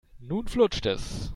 Nun flutscht es.